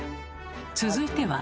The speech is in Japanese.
続いては。